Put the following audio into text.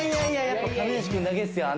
やっぱ亀梨君だけっすよ